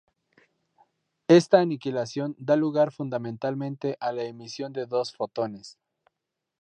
Esta aniquilación da lugar fundamentalmente a la emisión de dos fotones.